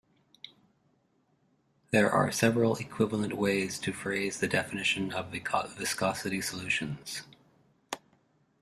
There are several equivalent ways to phrase the definition of viscosity solutions.